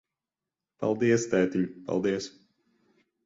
Paldies, tētiņ, paldies.